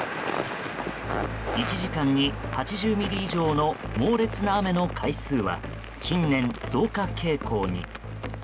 １時間に８０ミリ以上の猛烈な雨の回数は近年、増加傾向に。